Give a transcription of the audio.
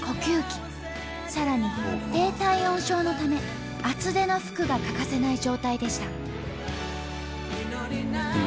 さらに低体温症のため厚手の服が欠かせない状態でした。